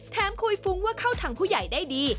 คุยฟุ้งว่าเข้าทางผู้ใหญ่ได้ดี